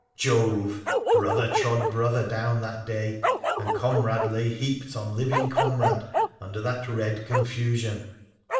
Jove ! brother trod brother down that day, and com rade lay heaped on living comrade under that red confusion.